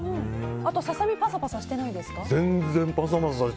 ささみパサパサしてないですか？